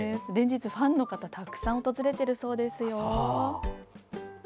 連日、ファンの方たくさん訪れてるそうですよ。